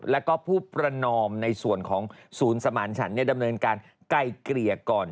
แล้วก็ผู้ประนอมในส่วนของศูนย์สมานฉันดำเนินการไกลเกลี่ยก่อน